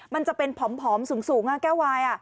มันจะเป็นผอมสูงแก้ววาย